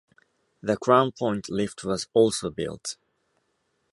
The Crown Point lift was also built.